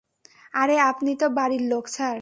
আরে আপনি তো বাড়ির লোক, স্যার।